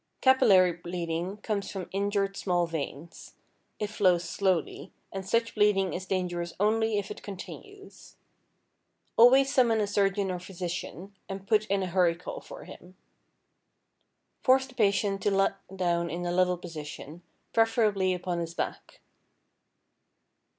Capillary bleeding comes from injured small veins. It flows slowly, and such bleeding is dangerous only if it continues. Always summon a surgeon or physician, and put in a hurry call for him. Force the patient to lie down in a level position, preferably upon his back.